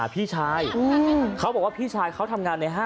เป็นคนที่เสียชีวิตนะครับ